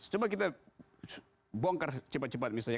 coba kita bongkar cepat cepat misalnya